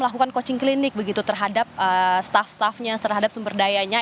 melakukan coaching klinik begitu terhadap staff staffnya terhadap sumber dayanya